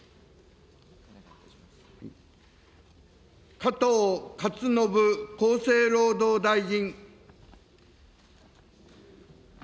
加藤勝信厚生労働大臣。